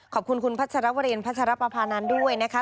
ขอบคุณคุณพระเจ้าเรียนพระเจ้ารับประพานานด้วยนะคะ